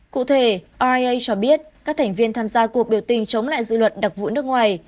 cụ thể ria cho biết các thành viên tham gia cuộc biểu tình chống lại dự luật đặc vụ nước ngoài